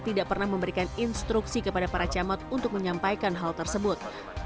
tidak pernah memberikan instruksi kepada para camat untuk menyampaikan hal tersebut